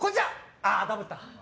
ああ、ダブった。